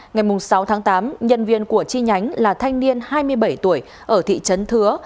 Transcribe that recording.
ngày sáu tám nhân viên của chi nhánh là thanh niên hai mươi bảy tuổi ở thị trấn thứa